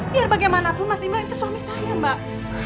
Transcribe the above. biar bagaimanapun mas gibran itu suami saya mbak